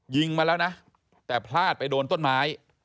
ยิงมาแล้วนะแต่พลาดไปโดนต้นไม้